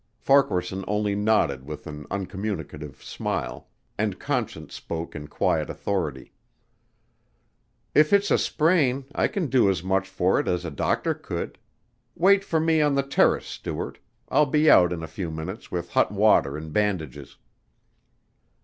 Farquaharson only nodded with an uncommunicative smile, and Conscience spoke in quiet authority. "If it's a sprain, I can do as much for it as a doctor could. Wait for me on the terrace, Stuart, I'll be out in a few minutes with hot water and bandages."